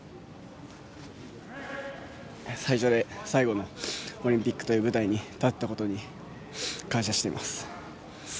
最初で最後のオリンピックという舞台に立てたことに感謝しています。